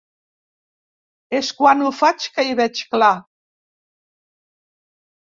És quan ho faig que hi veig clar.